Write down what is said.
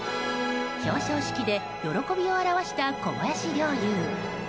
表彰式で喜びを表した小林陵侑。